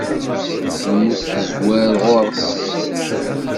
Lmut tezwar ɣur-s.